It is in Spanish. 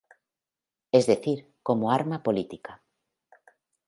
Es decir, como arma política.